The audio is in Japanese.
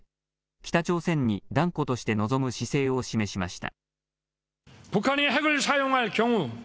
北朝鮮に断固として臨む姿勢を示しました。